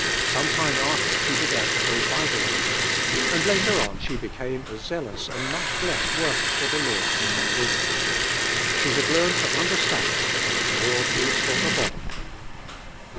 Some time after she began to hold Bible readings, and later on she became a zealous and much bless^ worker for the Lord ;i women. She had learned to understand that the Lord is for the body.